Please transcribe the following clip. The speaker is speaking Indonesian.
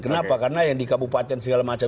kenapa karena yang di kabupaten segala macam